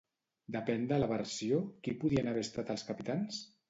Depèn de la versió, qui podien haver estat els capitans?